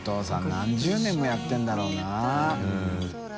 何十年もやってるんだろうな。